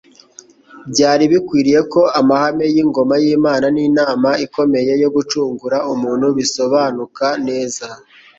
Byari.bikwiriye ko amahame y'ingoma y'Imana n'inama ikomeye yo gucungura umuntu bisobanuka neza.